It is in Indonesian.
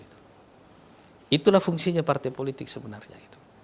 itulah fungsinya partai politik sebenarnya